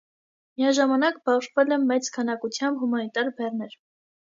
Միաժամանակ բաշխվել է մեծ քանակությամբ հումանիտար բեռներ։